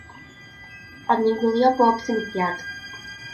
Ond ni'n gwylio pob symudiad.